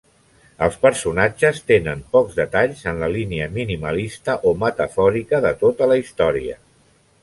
Els personatges tenen pocs detalls, en la línia minimalista o metafòrica de tota la història.